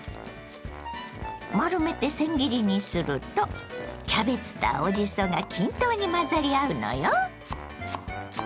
丸めてせん切りにするとキャベツと青じそが均等に混ざり合うのよ。